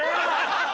ハハハ！